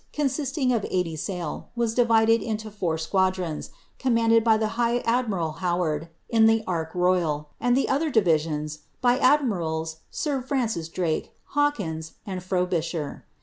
CoLisistiiig of eighty sail, was divided iitto four squadrons, comniaDdcil by the high admiral Howard, in the ' Ark Royal,' and the other divisions by admirals sir Francis Drake, Hawkins, and Frobisher.